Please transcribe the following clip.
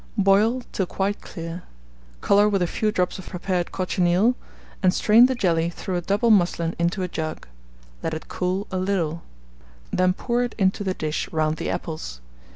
Boil till quite clear; colour with a few drops of prepared cochineal, and strain the jelly through a double muslin into a jug; let it cool a little; then pour it into the dish round the apples.